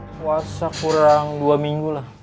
puasa kurang dua minggu lah